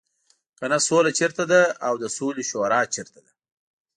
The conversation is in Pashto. کنه سوله چېرته ده او د سولې شورا چېرته ده.